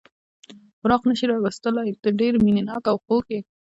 فراق نه شي راوستلای، ته ډېر مینه ناک او خوږ یې.